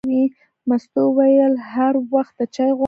مستو وویل: هر وخت ته چای غواړې.